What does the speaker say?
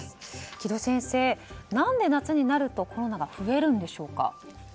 城戸先生、何で夏になるとコロナが増えるんでしょうか？